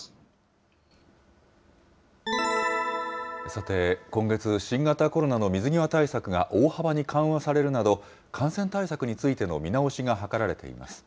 さて、今月、新型コロナの水際対策が大幅に緩和されるなど、感染対策についての見直しが図られています。